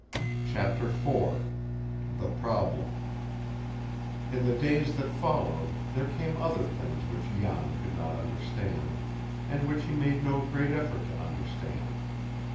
CHAPTER IV THE PROBLEM In the days that followed, there came other things which Jan could not understand, and which he made no great effort to understand.